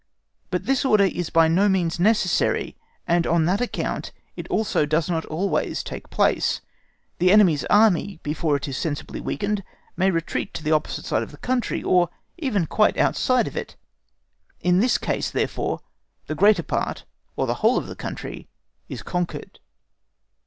But this order is by no means necessary, and on that account it also does not always take place. The enemy's Army, before it is sensibly weakened, may retreat to the opposite side of the country, or even quite outside of it. In this case, therefore, the greater part or the whole of the country is conquered.